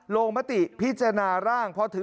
ขออนุญาตให้นั่งหลบก่อน